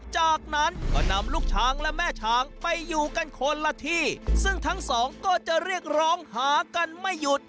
จากนั้นก็นำลูกช้างและแม่ช้างไปอยู่กันคนละที่ซึ่งทั้งสองก็จะเรียกร้องหากันไม่หยุด